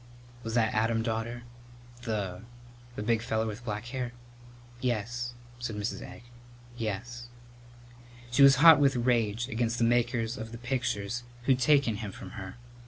"Was that Adam, daughter? The the big feller with black hair?" "Yes," said Mrs. Egg; "yes." She was hot with rage against the makers of pictures who'd taken him from her.